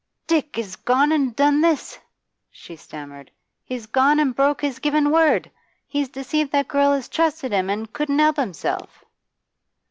'Dick has gone an' done this?' she stammered. 'He's gone an' broke his given word? He's deceived that girl as trusted to him an' couldn't help herself?